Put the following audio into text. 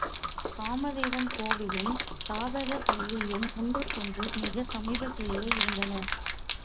காமதேவன் கோவிலும் தாபதப் பள்ளியும் ஒன்றுக்கொன்று மிகச் சமீபத்திலேயே இருந்தன.